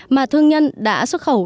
mà thương nhân đã xuất khẩu